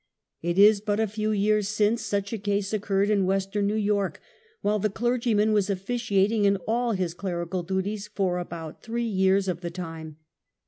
It is but a few years since such a case occurred in western N. Y. while the clergyman was officiating in all his clerical duties for about three years of the time.